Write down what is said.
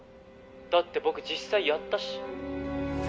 だって僕実際やったし」